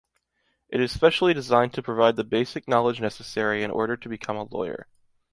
It is specially designed to provide the basic knowledge necessary in order to become a lawyer.